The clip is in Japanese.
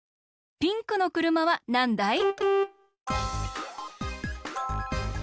ピンクの車はなんだい？